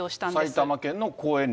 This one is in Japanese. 埼玉県の公園